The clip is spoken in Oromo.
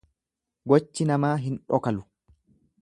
Gochi namaa hin dhokalu.